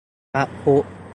พระพุทธ